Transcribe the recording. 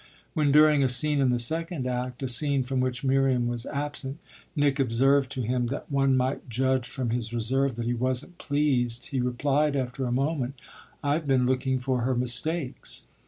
When during a scene in the second act a scene from which Miriam was absent Nick observed to him that one might judge from his reserve that he wasn't pleased he replied after a moment: "I've been looking for her mistakes."